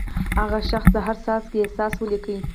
هغه شخص دې د هر څاڅکي احساس ولیکي.